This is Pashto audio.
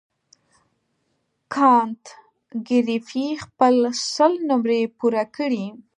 کانت ګریفي خپله سل نمرې پوره کړې.